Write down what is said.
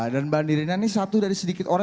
dan mbak nirina ini satu dari sedikit orang